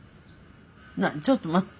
何ちょっと待って。